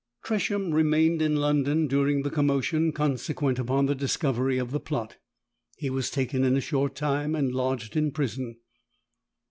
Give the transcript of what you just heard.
Tresham remained in London during the commotion consequent upon the discovery of the plot. He was taken in a short time and lodged in prison.